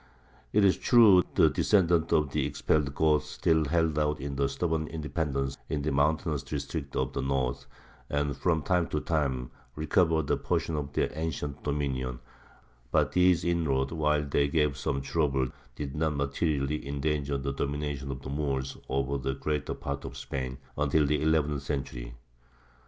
It is true the descendants of the expelled Goths still held out in stubborn independence in the mountainous districts of the north, and from time to time recovered a portion of their ancient dominion; but these inroads, while they gave some trouble, did not materially endanger the domination of the Moors over the greater part of Spain until the eleventh century.